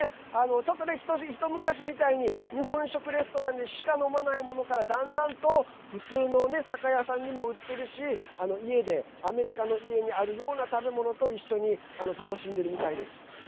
ちょっと一昔みたいに日本食レストランでしか飲まないものからだんだんと普通の酒屋さんにも売ってるし家で、アメリカの家にあるような食べ物と一緒に楽しんでるみたいです。